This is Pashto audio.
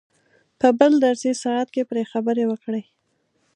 په بل درسي ساعت کې پرې خبرې وکړئ.